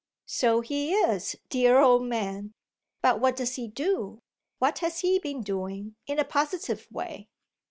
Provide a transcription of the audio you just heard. "So he is, dear old man. But what does he do, what has he been doing, in a positive way?"